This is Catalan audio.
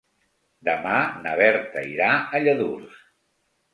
Demà na Berta irà a Lladurs.